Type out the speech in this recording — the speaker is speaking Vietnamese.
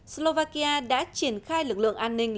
slovakia đã triển khai lực lượng an ninh